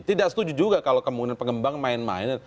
tidak setuju juga kalau kemudian pengembang main main